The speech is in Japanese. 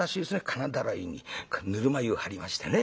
金だらいにぬるま湯張りましてね